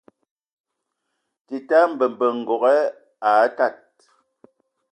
Tita mbembə ngoge aa tad.